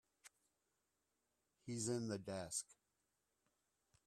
He's in the desk.